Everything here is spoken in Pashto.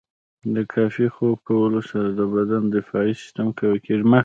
د کافي خوب کولو سره د بدن دفاعي سیستم قوي کیږي.